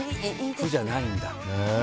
苦じゃないんだ。